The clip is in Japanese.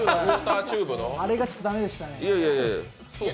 あれがちょっと駄目でしたね。